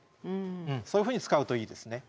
そういうふうに使うといいですね。